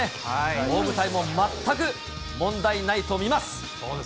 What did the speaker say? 大舞台も全く問題ないと見ます。